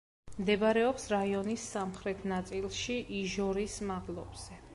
მდებარეობს რაიონის სამხრეთ ნაწილში, იჟორის მაღლობზე.